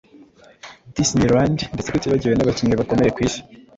Disney Land ndetse tutibagiwe n’abakinnyi bakomeye ku isi